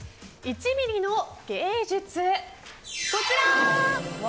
１ミリの芸術、こちら。